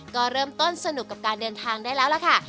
ก็เริ่มต้นสนุกกับการเดินทางได้แล้วล่ะค่ะ